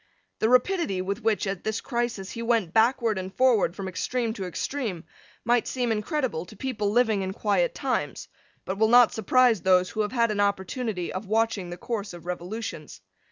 The rapidity, with which, at this crisis, he went backward and forward from extreme to extreme, might seem incredible to people living in quiet times, but will not surprise those who have had an opportunity of watching the course of revolutions.